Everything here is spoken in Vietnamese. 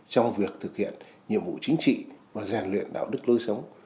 trong việc thực hiện nhiệm vụ chính trị và rèn luyện đạo đức lối sống